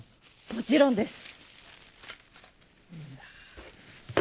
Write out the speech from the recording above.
もちろんです！